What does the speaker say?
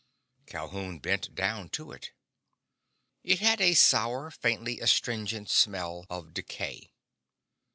Calhoun bent down to it. It had a sour, faintly astringent smell of decay.